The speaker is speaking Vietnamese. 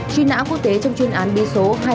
truy nã quốc tế trong chuyên án bi số